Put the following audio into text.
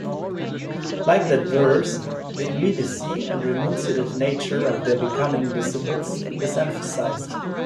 Like that verse the immediacy and renunciative nature of their becoming disciples is emphasized.